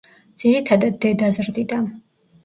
ძირითადად დედა ზრდიდა.